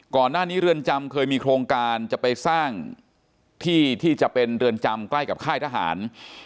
เรือนจำเคยมีโครงการจะไปสร้างที่ที่จะเป็นเรือนจำใกล้กับค่ายทหาร